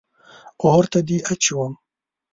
اور ته دې اچوم.